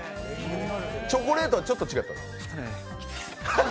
チョコレートはちょっと違った？